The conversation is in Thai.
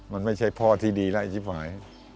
มันไม่ใช่พ่อที่ดีแล้วไอ้ชิบหวาย